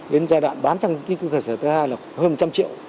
đến giai đoạn bán trong cái cơ sở thứ hai là hơn một trăm linh triệu